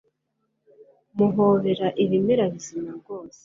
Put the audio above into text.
Muhobera ibimera bizima rwose